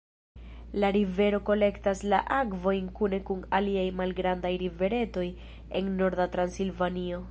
La rivero kolektas la akvojn kune kun aliaj malgrandaj riveretoj en Norda Transilvanio.